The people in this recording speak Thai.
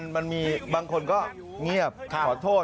บางคนก็เงียบขอโทษ